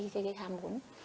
cái tham vốn